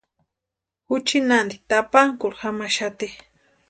Juchi nanti tapankurhu jamaxati.